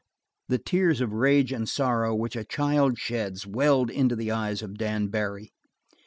The tears of rage and sorrow which a child sheds welled into the eyes of Dan Barry.